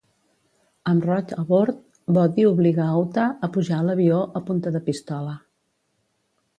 Amb Roach a bord, Bodhi obliga a Utah a pujar a l'avió a punta de pistola.